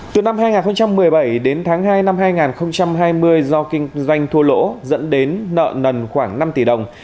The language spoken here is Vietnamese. từ năm hai nghìn một mươi bảy đến tháng hai năm hai nghìn hai mươi do kinh doanh thua lỗ dẫn đến nợ nần khoảng năm tỷ đồng